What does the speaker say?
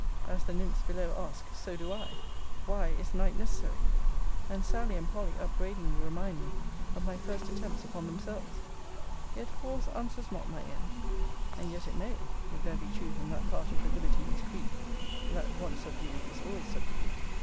As the nymphs below ask, so do I, Why is night necessary? And Sally and Polly upbraidingly remind me of my first attempts upon themselves. Yet force answers not my end and yet it may, if there be truth in that part of the libertine's creed, That once subdued, is always subdued!